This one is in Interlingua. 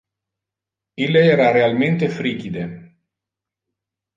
Ille era realmente frigide.